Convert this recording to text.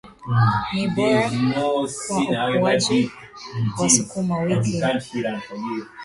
ni bora kwa ukuaji wa sukuma wiki.